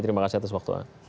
terima kasih atas waktu